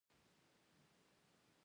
د ملکي خدمتونو د دندو تثبیت بل هدف دی.